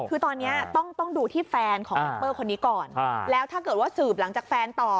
คือตอนนี้ต้องดูที่แฟนของแร็ปเปอร์คนนี้ก่อนแล้วถ้าเกิดว่าสืบหลังจากแฟนต่อ